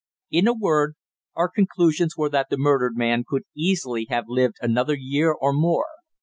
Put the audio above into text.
In a word, our conclusions were that the murdered man could easily have lived another year or more.